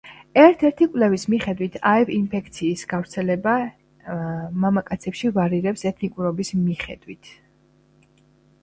ერთ-ერთი კვლევის მიხედვით აივ-ინფექციის გავრცელება მსმ მამაკაცებში ვარირებს ეთნიკურობის მიხედვით.